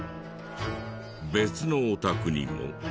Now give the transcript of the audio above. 別のお宅にも。